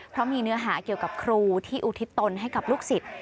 เพราะมีเนื้อหาเกี่ยวกับครูที่อุทิศตนให้กับลูกศิษย์